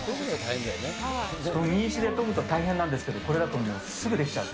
研ぎ石で研ぐと大変なんですけど、これだともうすぐできちゃう。